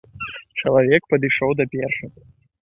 Чалавек падышоў да першай.